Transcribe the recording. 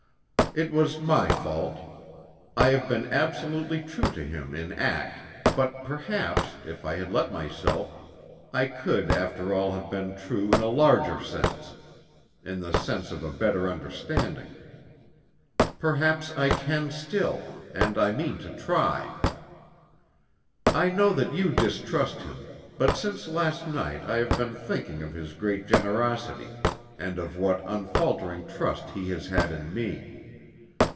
"It was my fault. I have been absolutely true to him in act, but perhaps, if I had let myself, I could after all have been true in a larger sense: in the sense of a better understanding. Perhaps I can still and I mean to try. "I know that you distrust him, but since last night I have been thinking of his great generosity, and of what unfaltering trust he has had in me.